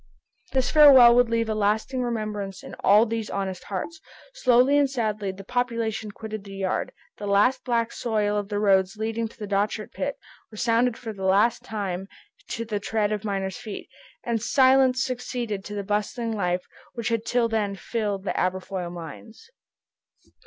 This farewell would leave a lasting remembrance in all these honest hearts. Slowly and sadly the population quitted the yard. The black soil of the roads leading to the Dochart pit resounded for the last time to the tread of miners' feet, and silence succeeded to the bustling life which had till then filled the Aberfoyle mines.